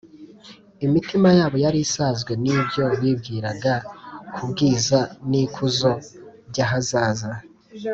imitima yabo yari isazwe n’ibyo bibwiraga ku bwiza n’ikuzo by’ahazaza